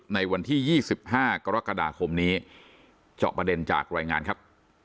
ในวันที่๒๕กรกฎาคมนี้เจาะประเด็นจากรายงานครับ